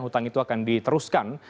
hutang itu akan diteruskan